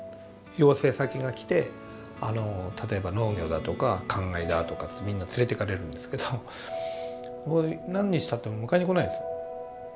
要請先が来て例えば農業だとか干害だとかってみんな連れてかれるんですけど何日たっても迎えに来ないんですよ。